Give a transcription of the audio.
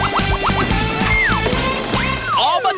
อบจภาษาโรงแรง